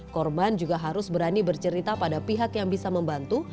korban juga harus berani bercerita pada pihak yang bisa membantu